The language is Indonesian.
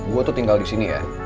gue tuh tinggal disini ya